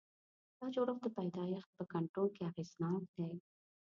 دا جوړښت د پیدایښت په کنټرول کې اغېزناک دی.